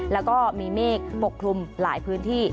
แล้วก็มีเมฆปกคลุมหลายพื้นที่